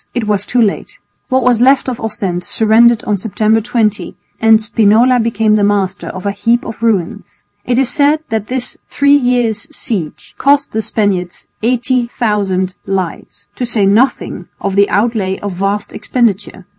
It was too late. What was left of Ostend surrendered on September 20, and Spinola became the master of a heap of ruins. It is said that this three years' siege cost the Spaniards 80,000 lives, to say nothing of the outlay of vast expenditure.